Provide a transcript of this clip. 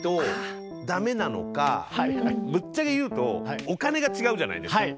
でもぶっちゃけ言うとお金が違うじゃないですか。